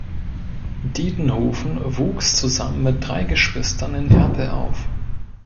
Diedenhofen wuchs zusammen mit drei Geschwistern in Erpel auf.